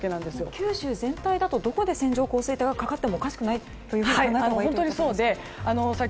九州全体だとどこで線状降水帯がかかってもおかしくないということ考えたほうが。